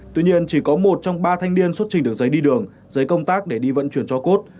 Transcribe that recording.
tuy nhiên chỉ có một trong ba thanh niên xuất trình được giấy đi đường giấy công tác để đi vận chuyển cho cốt